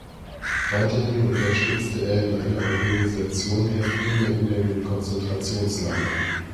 Weiterhin unterstützte er in einer Organisation Häftlinge in den Konzentrationslagern.